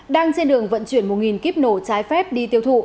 đang trên đường vận chuyển một kíp nổ trái phép đi tiêu thụ